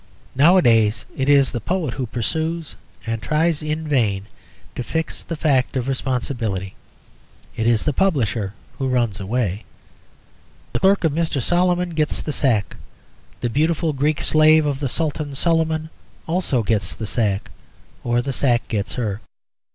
Nowadays it is the poet who pursues and tries in vain to fix the fact of responsibility. It is the publisher who runs away. The clerk of Mr. Solomon gets the sack: the beautiful Greek slave of the Sultan Suliman also gets the sack; or the sack gets her.